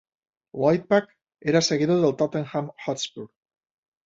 Lloyd-Pack era seguidor del Tottenham Hotspur.